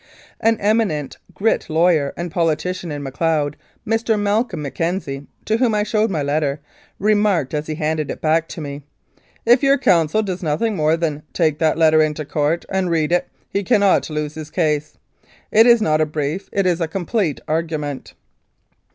An eminent Grit lawyer and politician in Macleod, Mr. Malcolm McKenzie, to whom I showed my letter, remarked as he handed it back to me :" If your counsel does nothing more than take that letter into court and read it, he cannot lose his case. It is not a brief, it is a complete argument."